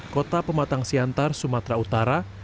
kota pematang siantar sumatera utara